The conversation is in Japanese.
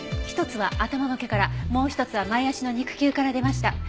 一つは頭の毛からもう一つは前脚の肉球から出ました。